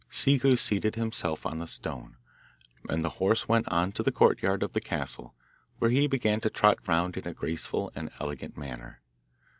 Ciccu seated himself on the stone, and the horse went on to the courtyard of the castle, where he began to trot round in a graceful and elegant manner.